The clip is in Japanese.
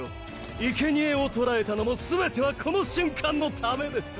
いけにえを捕らえたのもすべてはこの瞬間のためです。